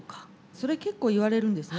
それ結構言われるんですね。